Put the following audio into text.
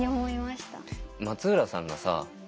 松浦さんがさ